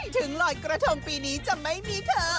ลอยกระทงปีนี้จะไม่มีเธอ